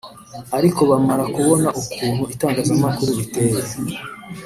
ariko bamara kubona ukuntu itangazamakuru riteye